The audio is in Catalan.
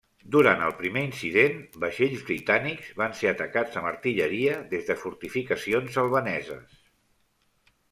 Durant el primer incident, vaixells britànics van ser atacats amb artilleria des de fortificacions albaneses.